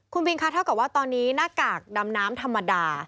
คุณพีลคะเท่ากับว่าตอนนี้นาฬักษณ์ดำน้ำธรรมดา